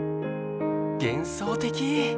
幻想的！